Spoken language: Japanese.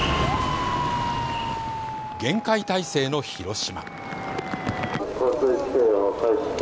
厳戒態勢の広島。